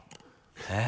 えっ？